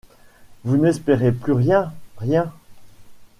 Vous n’espérez plus rien! rien !